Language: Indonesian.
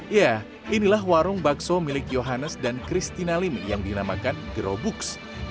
ya inilah warung bakso milik johannes dan kristina lim yang dinamakan grow books